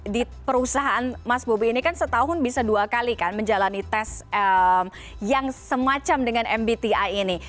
di perusahaan mas bobi ini kan setahun bisa dua kali kan menjalani tes yang semacam dengan mbti ini